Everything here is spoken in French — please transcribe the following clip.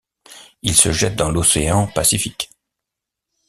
Il se jette dans l'Océan Pacifique.